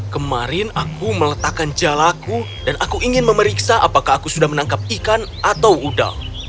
kemarin aku meletakkan jalaku dan aku ingin memeriksa apakah aku sudah menangkap ikan atau udang